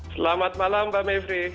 selamat malam mbak mivri